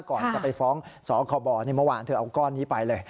ก่อนจะไปฟ้องสคบเมื่อวานเธอเอาก้อนนี้ไปเลย